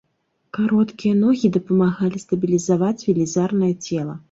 Кароткія ногі дапамагалі стабілізаваць велізарнае цела.